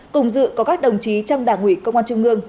cùng dự có các đồng chí trong đảng ủy công an trung ương